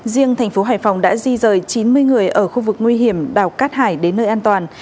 riêng thành phố hải phòng đã di rời chín mươi người ở khu vực nguy hiểm đảo cát hải đến nơi an toàn